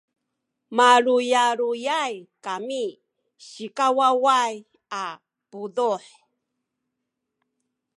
maluyaluyay kami sikawaway a puduh